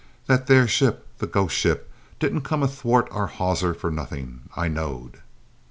That there ship the ghost ship didn't come athwart our hawser for nothink, I knowed!"